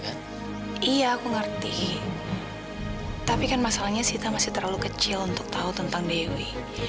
kalau boleh saran ya sebaiknya kamu jangan terlalu banyak cerita ke sita tentang dewi